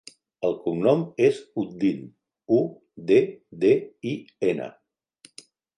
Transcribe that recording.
El cognom és Uddin: u, de, de, i, ena.